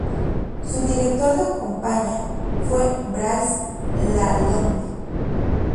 Su director de campaña fue Brice Lalonde.